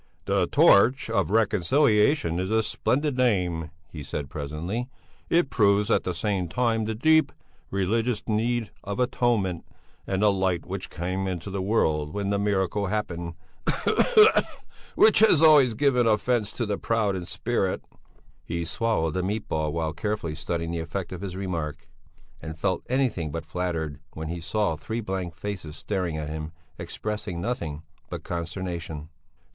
"The Torch of Reconciliation is a splendid name," he said presently; "it proves at the same time the deep, religious need of atonement, and the light which came into the world when the miracle happened which has always given offence to the proud in spirit." He swallowed a meat ball while carefully studying the effect of his remark and felt anything but flattered when he saw three blank faces staring at him, expressing nothing but consternation.